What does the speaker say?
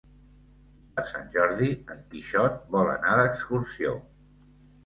Per Sant Jordi en Quixot vol anar d'excursió.